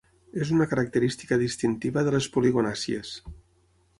És una característica distintiva de les poligonàcies.